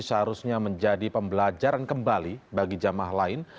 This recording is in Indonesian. seharusnya menjadi pembelajaran kembali bagi jamaah lain